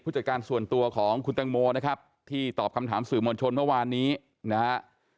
จัดการส่วนตัวของคุณแตงโมนะครับที่ตอบคำถามสื่อมวลชนเมื่อวานนี้นะฮะ